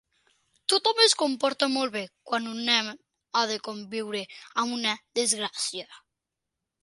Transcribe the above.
Tothom es comporta molt bé quan un nen ha de conviure amb una desgràcia.